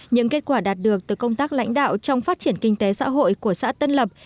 những kết quả đạt được từ công tác lãnh đạo trong phát triển kinh tế xã hội của xã tân lập